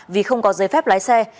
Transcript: vì không có giấy phép lái xe